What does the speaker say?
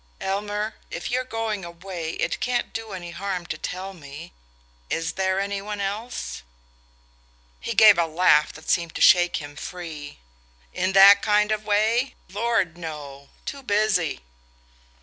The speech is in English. "Elmer, if you're going away it can't do any harm to tell me is there any one else?" He gave a laugh that seemed to shake him free. "In that kind of way? Lord, no! Too busy!"